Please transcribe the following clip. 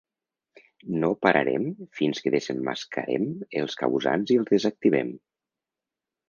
No pararem fins que desemmascarem els causants i els desactivem.